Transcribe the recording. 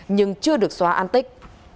nhưng chưa được xóa an tích